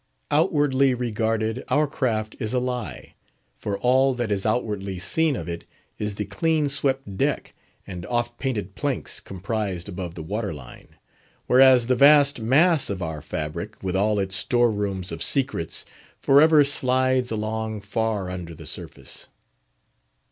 Outwardly regarded, our craft is a lie; for all that is outwardly seen of it is the clean swept deck, and oft painted planks comprised above the waterline; whereas, the vast mass of our fabric, with all its storerooms of secrets, for ever slides along far under the surface.